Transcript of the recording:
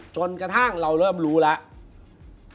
จนกระทั่งเราเริ่มรู้แล้ว